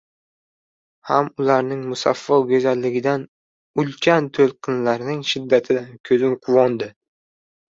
ham ularning musaffo go‘zalligidan, ulkan to‘lqinlarning shiddatidan ko‘zim quvondi